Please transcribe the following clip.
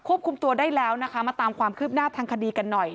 คุมตัวได้แล้วนะคะมาตามความคืบหน้าทางคดีกันหน่อย